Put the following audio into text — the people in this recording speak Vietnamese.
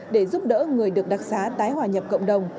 để giúp đỡ người được đặc xá tái hòa nhập cộng đồng